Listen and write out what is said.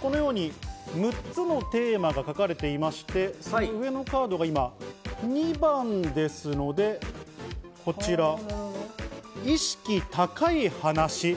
このように６つのテーマが書かれていて、上のカードが２番ですので、こちら、意識高い話。